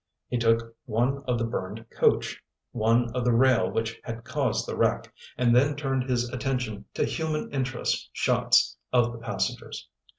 He took one of the burned coach, one of the rail which had caused the wreck, and then turned his attention to human interest shots of the passengers.